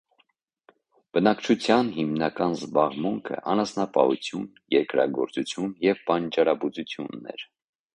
Բնակչության հիմնական զբաղմունքը անասնապահություն, երկրագործություն և բանջարաբուծությունն էր։